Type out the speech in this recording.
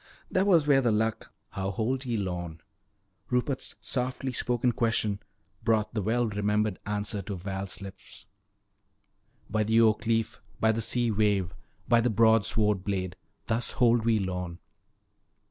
"That was where the Luck " "How hold ye Lorne?" Rupert's softly spoken question brought the well remembered answer to Val's lips: "By the oak leaf, by the sea wave, by the broadsword blade, thus hold we Lorne!"